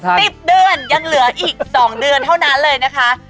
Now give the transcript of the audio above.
ถ้าบอกว่า๑๐เดือนยังเหลืออีก๒เดือนเท่านั้นเลยนะคะ